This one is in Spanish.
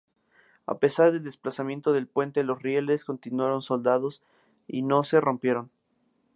A pesar del desplazamiento del puente, los rieles continuaron soldados y no se rompieron.